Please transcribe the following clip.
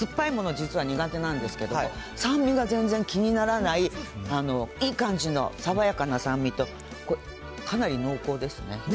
実は苦手なんですけど、酸味が全然気にならない、いい感じの爽やかな酸味と、かなり濃厚ですね。